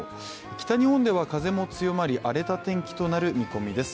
北日本では風も強まり荒れた天気となる見込みです。